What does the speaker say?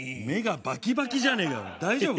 目がバキバキじゃねえかおい。